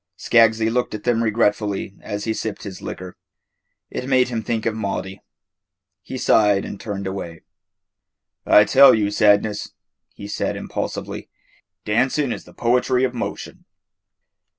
Skaggsy looked at them regretfully as he sipped his liquor. It made him think of Maudie. He sighed and turned away. "I tell you, Sadness," he said impulsively, "dancing is the poetry of motion."